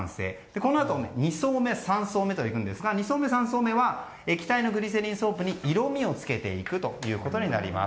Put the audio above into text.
このあと２層目、３層目と行くんですが２層目、３層目は液体のグリセリンソープに色味を付けていきます。